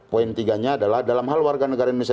poin tiga nya adalah dalam hal warga negara indonesia